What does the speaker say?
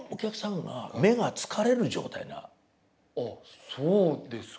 あっそうですか。